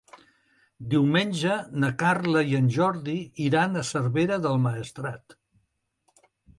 Diumenge na Carla i en Jordi iran a Cervera del Maestrat.